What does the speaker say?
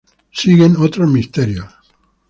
Otros misterios siguen.